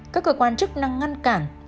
các cơ quan chức năng ngăn cản